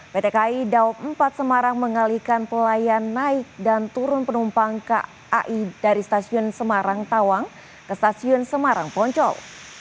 pt kai daob empat semarang mengalihkan pelayan naik dan turun penumpang kai dari stasiun semarang tawang ke stasiun semarang poncol